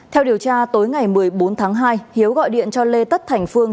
theo điều tra tối ngày một mươi bốn tháng hai hiếu gọi điện cho lê tất thành phương